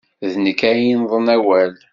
D nekk ay yennḍen awal.